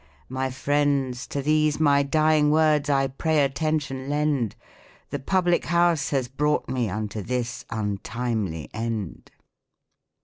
My friends, to these my dying words I pray attention lend, ' Th(5 public house has brought me unto this untimely end."